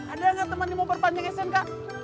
ada nggak teman yang mau berpanjang snk